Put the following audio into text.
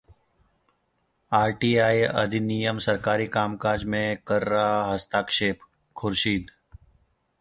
RTI अधिनियम सरकारी काम काज में कर रहा हस्तक्षेप: खुर्शीद